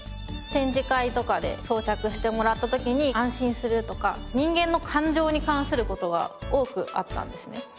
展示会とかで装着してもらった時に安心するとか人間の感情に関する事が多くあったんですね。